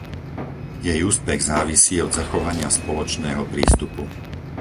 Jej úspech závisí od zachovania spoločného prístupu.